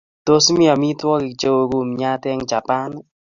Tos mi amitwogik cheuu kumyo eng' Japan?